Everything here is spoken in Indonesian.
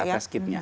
iya test kitnya